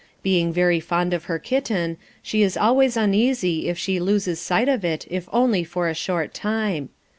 Being very fond of her kitten, she is always uneasy if she loses sight of it if only for a short time.